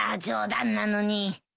冗談なのに。